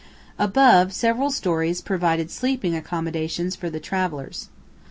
Above, several storeys provided sleeping accommodation for the travellers.